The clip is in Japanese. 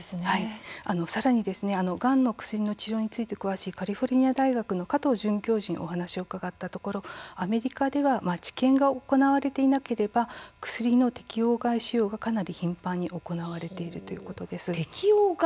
さらに、がんの薬の治療について詳しいカリフォルニア大学の加藤准教授にお話を伺ったところアメリカでは治験が行われていなければ薬の適応外使用がかなり頻繁に行われているとのことです。